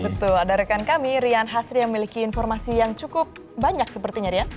betul ada rekan kami rian hasri yang memiliki informasi yang cukup banyak sepertinya rian